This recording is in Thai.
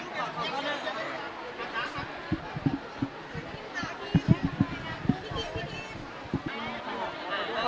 ก็ต้องสาบใจจ้า